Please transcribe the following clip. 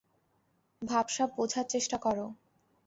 ভাবসাব বোঝার চেষ্টা করো।